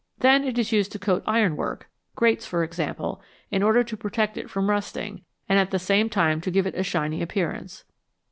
Then it is used to coat iron work grates, for example in order to protect it from rusting, and at the same time to give it a shiny appear ance.